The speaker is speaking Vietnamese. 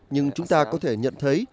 nhưng chúng ta có thể nhận thấy